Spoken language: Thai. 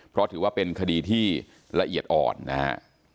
เพราะถือว่าเป็นคดีที่ละเอียดอ่อนนะฮะ